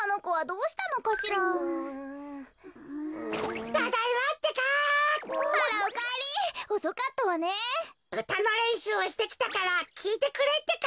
うたのれんしゅうをしてきたからきいてくれってか。